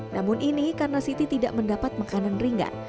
namun ini karena siti tidak mendapat makanan ringan